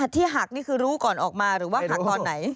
ที่หักนี่คือรู้ก่อนออกมาหรือว่าหักตอนไหน